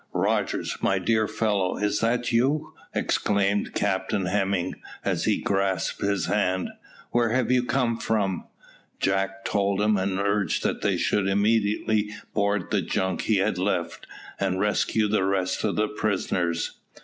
Rogers, my dear fellow, is it you?" exclaimed Captain Hemming, as he grasped his hand. "Where have you come from?" Jack told him, and urged that they should immediately board the junk he had left, and rescue the rest of the prisoners.